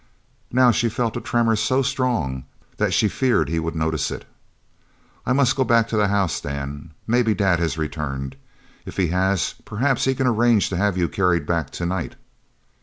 Now she felt a tremor so strong that she feared he would notice it. "I must go back to the house, Dan. Maybe Dad has returned. If he has, perhaps he can arrange to have you carried back tonight."